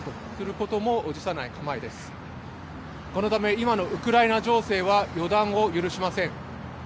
このため、今のウクライナ情勢は予断を許しません。